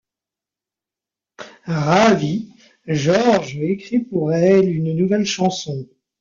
Ravi, Georges écrit pour elles une nouvelle chanson.